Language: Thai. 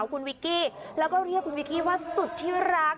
คุณวิกกี้แล้วก็เรียกว่าสุดที่รัก